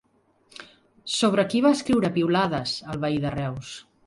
Sobre qui va escriure piulades el veí de Reus?